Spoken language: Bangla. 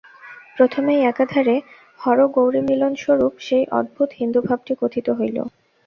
প্রথমেই একাধারে হরগৌরীমিলনস্বরূপ সেই অদ্ভুত হিন্দুভাবটি কথিত হইল।